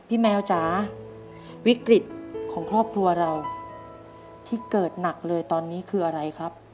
แมวจ๋าวิกฤตของครอบครัวเราที่เกิดหนักเลยตอนนี้คืออะไรครับ